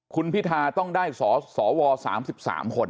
คุณพิทาต้องได้สว๓๓คน